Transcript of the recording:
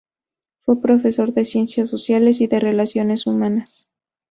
Fue profesor de Ciencias Sociales y de Relaciones Humanas.